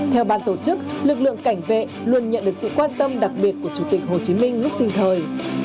theo ban tổ chức lực lượng cảnh vệ luôn nhận được sự quan tâm đặc biệt của chủ tịch hồ chí minh lúc sinh thời